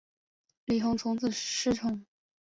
李弘从此失宠。